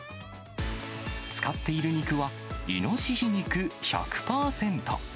使っている肉は、イノシシ肉１００％。